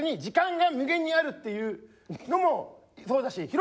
時間が無限にあるっていうのもそうだし。